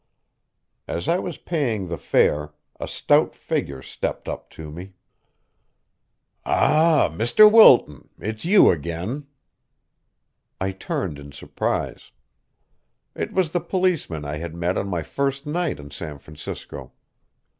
As I was paying the fare, a stout figure stepped up to me. "Ah, Mr. Wilton, it's you again." I turned in surprise. It was the policeman I had met on my first night in San Francisco.